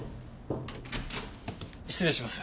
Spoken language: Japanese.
失礼します。